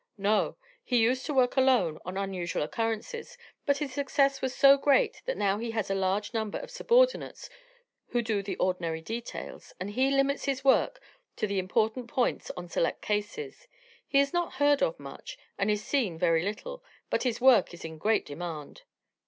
"No. He used to work alone on unusual occurrences, but his success was so great that now he has a large number of subordinates who do the ordinary details, and he limits his work to the important points on select cases. He is not heard of much, and is seen very little, but his work is in great demand."